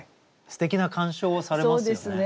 すてきな鑑賞をされますよね。